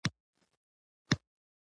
سبا به اشر وکړو